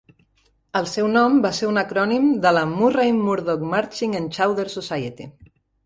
El seu nom va ser un acrònim de la "Murray Murdoch Marching and Chowder Society".